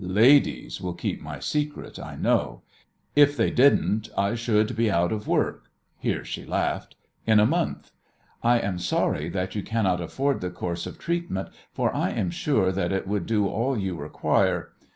Ladies will keep my secret, I know. If they didn't I should be out of work" here she laughed "in a month. I am sorry that you cannot afford the course of treatment, for I am sure that it would do all you require.